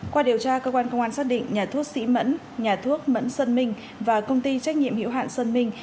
qua điều tra cơ quan công an xác định nhà thuốc sĩ mẫn nhà thuốc mẫn sơn minh và công ty trách nhiệm hiệu hạn sơn minh